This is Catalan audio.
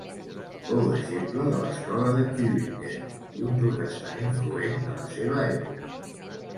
Fou deixeble de l'escola de Tübingen i un protestant influent de la seva època.